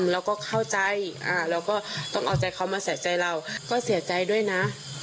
เราก็เข้าใจเราก็ต้องเอาใจเขามาใส่ใจเราก็เสียใจด้วยนะ